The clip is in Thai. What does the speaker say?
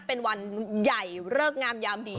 เป็นวันใหญ่เริกงามยามดี